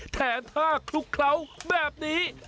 แถมท่าคลุกเคล้าแบบนี้